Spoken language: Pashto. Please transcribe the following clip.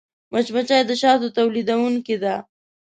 مچمچۍ د شاتو تولیدوونکې ده